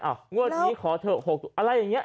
งวดนี้ขอเถอะ๖อะไรอย่างนี้